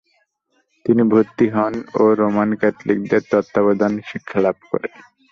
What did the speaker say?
তিনি ভর্তি হন ও রোমান ক্যাথলিকদের তত্ত্বাবধানে শিক্ষালাভ করেন।